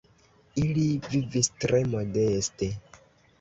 Ili vivis tre modeste.